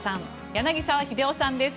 柳澤秀夫さんです。